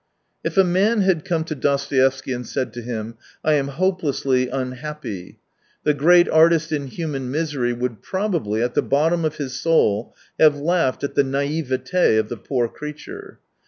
If a man had come to Dostoevsky and said to him, " I am hopelessly unhappy," the great artist in human misery would probably, at the bottom of his soul, have laughed at the naivete of the poor creature.